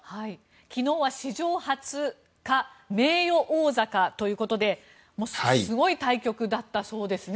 昨日は史上初の八冠名誉王座かということですごい対局だったそうですね。